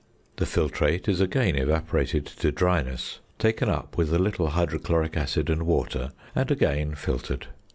The filtrate is again evaporated to dryness, taken up with a little hydrochloric acid and water and again filtered.